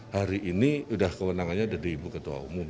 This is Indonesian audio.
hari ini sudah kewenangannya dari ibu ketua umum